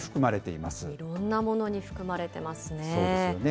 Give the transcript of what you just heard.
いろんなものに含まれてますね。